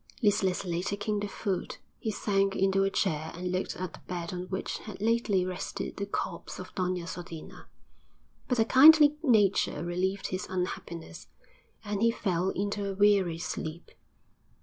Listlessly taking the food, he sank into a chair and looked at the bed on which had lately rested the corpse of Doña Sodina; but a kindly nature relieved his unhappiness, and he fell into a weary sleep.